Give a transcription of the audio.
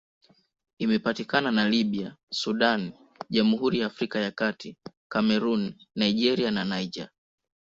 Imepakana na Libya, Sudan, Jamhuri ya Afrika ya Kati, Kamerun, Nigeria na Niger.